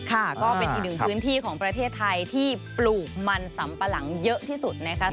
ก็เป็นอีกหนึ่งพื้นที่ของประเทศไทยที่ปลูกมันสำปะหลังเยอะที่สุดนะคะ